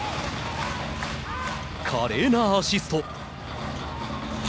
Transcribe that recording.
華麗なアシスト。